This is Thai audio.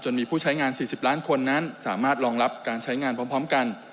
๔๐ล้านคนนั้นสามารถรองรับการใช้งานพร้อมกัน